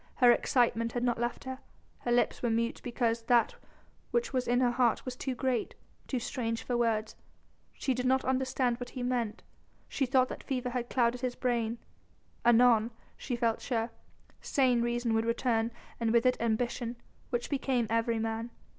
Her excitement had not left her, but her lips were mute because that which was in her heart was too great, too strange for words. She did not understand what he meant; she still thought that fever had clouded his brain; anon, she felt sure, sane reason would return and with it ambition, which became every man.